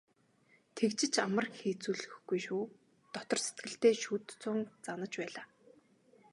"Тэгж ч амар хийцлүүлэхгүй шүү" дотор сэтгэлдээ шүд зуун занаж байлаа.